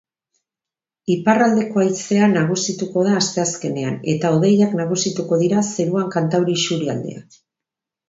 Iparraldeko haizea nagusituko da asteazkenean, eta hodeiak nagusituko dira zeruan kantauri isurialdean.